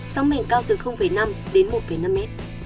sóng miền cao từ năm đến một năm m